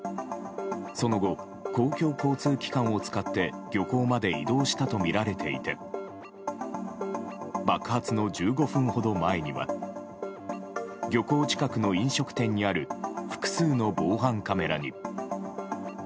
その後、公共交通機関を使って漁港まで移動したとみられていて爆発の１５分ほど前には漁港近くの飲食店にある複数の防犯カメラに。